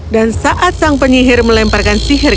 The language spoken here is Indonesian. dan saat sang penyihir melemparkan sihir